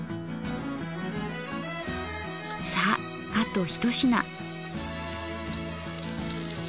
さああと一品。